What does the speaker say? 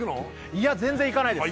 いや全然行かないです